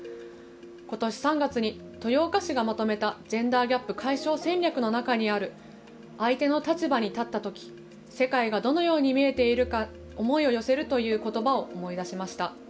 ことし３月に豊岡市がまとめたジェンダーギャップ解消戦略の中にある相手の立場に立ったとき世界がどのように見えているか思いを寄せるということばを思い出しました。